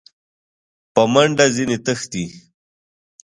په منډه ځني تښتي !